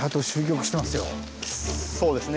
そうですね。